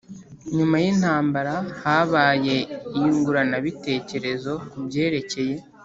Nyuma y intambara habaye iyunguranabitekerezo ku byerekeye